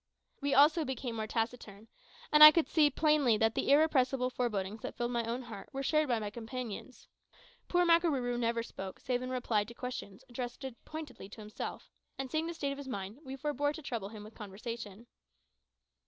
We also became more taciturn, and I could see plainly that the irrepressible forebodings that filled my own heart, were shared by my companions. Poor Makarooroo never spoke, save in reply to questions addressed pointedly to himself; and seeing the state of his mind, we forbore to trouble him with conversation.